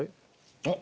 あっ。